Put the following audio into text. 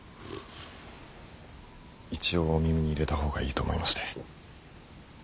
一応お耳に入れた方がいいと思いまして。